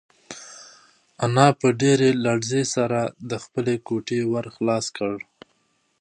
انا په ډېرې لړزې سره د خپلې کوټې ور خلاص کړ.